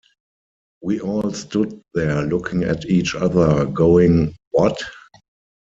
We all stood there looking at each other going, 'What?